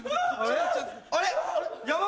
あれ？